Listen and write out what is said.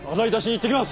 行ってきます。